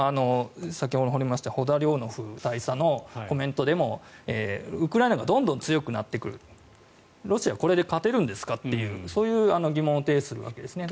先ほどもありましたホダレノク大佐のコメントでも、ウクライナがどんどん強くなってくるロシアはこれで勝てるんですかというそういう疑問を呈するわけですね。